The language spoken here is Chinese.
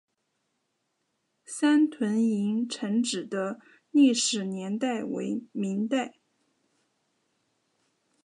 三屯营城址的历史年代为明代。